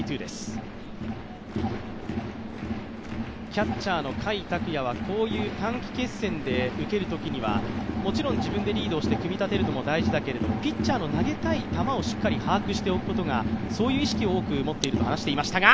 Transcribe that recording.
キャッチャーの甲斐拓也はこういう短期決戦で受けるときにはもちろん自分でリードをして組み立てるのも大事だけれども、ピッチャーの投げたい球をしっかり把握しておくことが、そういう意識を多く持っているといっていましたが